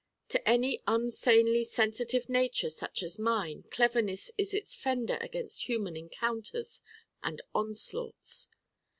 To any un sanely sensitive nature such as mine Cleverness is its fender against human encounters and onslaughts.